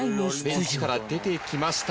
ベンチから出てきました。